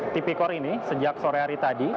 tipikor ini sejak sore hari tadi